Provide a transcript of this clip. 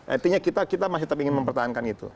artinya kita masih ingin mempertahankan itu